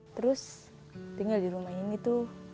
terus tinggal di rumah ini tuh